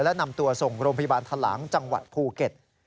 และนำตัวส่งโรงพยาบาลทะลังจังหวัดภูเก็ต